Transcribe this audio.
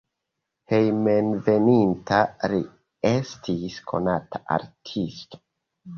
Hejmenveninta li estis konata artisto.